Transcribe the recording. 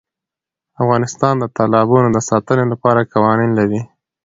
افغانستان د تالابونو د ساتنې لپاره قوانین لري.